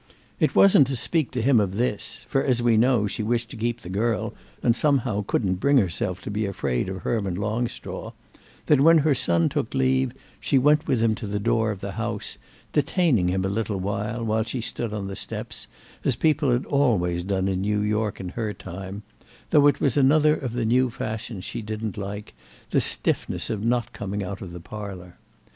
It wasn't to speak to him of this—for, as we know, she wished to keep the girl and somehow couldn't bring herself to be afraid of Herman Longstraw—that when her son took leave she went with him to the door of the house, detaining him a little while she stood on the steps, as people had always done in New York in her time, though it was another of the new fashions she didn't like, the stiffness of not coming out of the parlour.